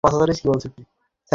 তোমাকে চিনি আমি।